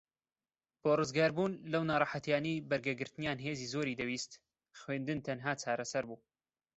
بۆ ڕزگاربوون لەو ناڕەحەتیانەی بەرگەگرتنیان هێزی زۆری دەویست خوێندن تەنھا چارەسەر بوو